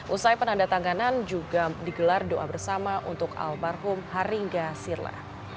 usai penandatanganan juga digelar doa bersama untuk almarhum haringa sirla